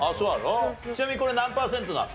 ちなみにこれ何パーセントなの？